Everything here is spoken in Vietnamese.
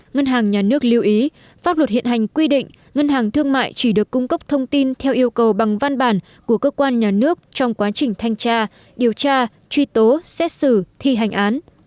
ngân hàng nhà nước lưu ý pháp luật hiện hành quy định ngân hàng thương mại chỉ được cung cấp thông tin theo yêu cầu bằng văn bản của cơ quan nhà nước trong quá trình thanh tra điều tra truy tố xét xử thi hành án